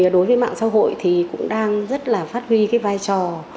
đối với mạng xã hội cũng đang rất là phát huy vai trò